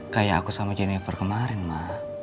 kayak aku sama jennifer kemarin mah